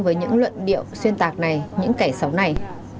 với những luận điệu xuyên tạc này những kẻ xấu này